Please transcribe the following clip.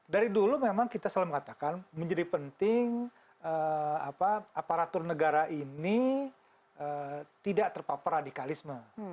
dari dulu memang kita selalu mengatakan menjadi penting aparatur negara ini tidak terpapar radikalisme